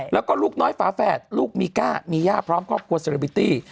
แล้วก็ลูกน้อยฝาแฝดลูกมีก้ามีย่าพร้อมครอบครัวเซลบิตี้